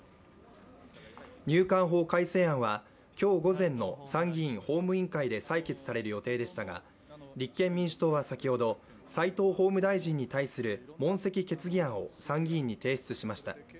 入管法改正案は今日午前の参議院法務委員会で採決される予定でしたが立憲民主党は先ほど、齋藤法務大臣に対する問責決議案を参議院に提出しました。